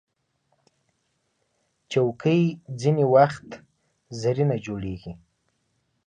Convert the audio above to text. چوکۍ ځینې وخت زرینه جوړیږي.